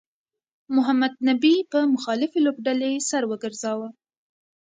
محمد نبي په مخالفې لوبډلې سر وګرځاوه